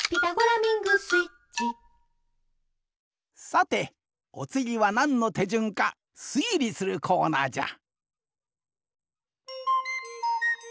さておつぎはなんのてじゅんかすいりするコーナーじゃ！